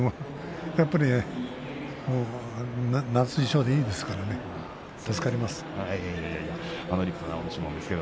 もう夏衣装でいいですからね助かります。